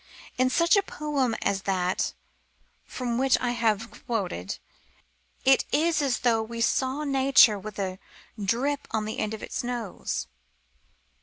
In such a poem as that from which I have quoted, it is as though we saw nature with a drip on the end of its nose.